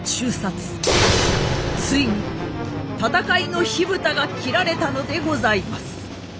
ついに戦いの火蓋が切られたのでございます。